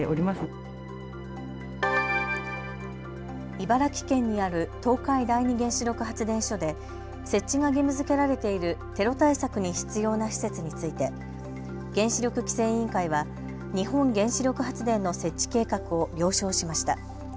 茨城県にある東海第二原子力発電所で設置が義務づけられているテロ対策に必要な施設について原子力規制委員会は日本原子力発電の設置計画を了承しました。